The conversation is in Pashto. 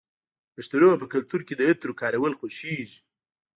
د پښتنو په کلتور کې د عطرو کارول خوښیږي.